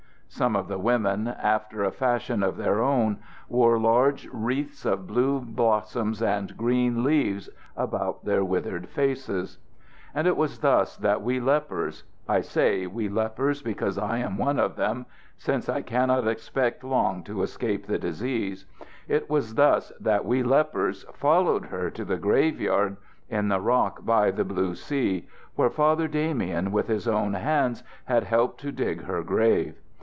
Some of the women, after a fashion of their own, wore large wreaths of blue blossoms and green leaves about their withered faces. "And it was thus that we lepers I say we lepers because I am one of them, since I cannot expect long to escape the disease it was thus that we lepers followed her to the graveyard in the rock by the blue sea, where Father Damien with his own hands had helped to dig her grave.